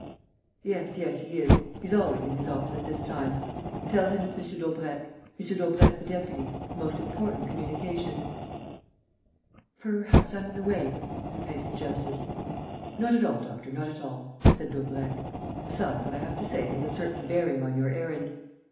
Yes, yes, he is: he's always in his office at this time.... Tell him it's M. Daubrecq.... M. Daubrecq the deputy ... a most important communication." "Perhaps I'm in the way?" Lupin suggested. "Not at all, doctor, not at all," said Daubrecq. "Besides, what I have to say has a certain bearing on your errand."